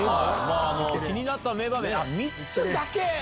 気になった名場面あっ３つだけ。